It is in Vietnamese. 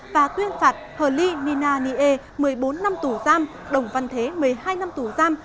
và tuyên phạt hờ ly nina nie một mươi bốn năm tù giam đồng văn thế một mươi hai năm tù giam